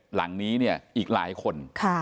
หลังนี้เนี่ยอีกหลายคน